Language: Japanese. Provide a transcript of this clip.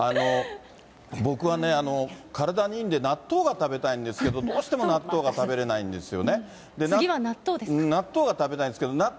僕はね、体にいいんで、納豆が食べたいんですけど、どうしても納豆が食べれないんですよ